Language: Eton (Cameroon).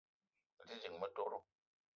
Me te ding motoro